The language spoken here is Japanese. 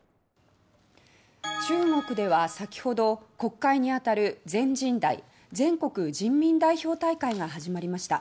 中国では先ほど国会にあたる全人代・全国人民代表大会が始まりました。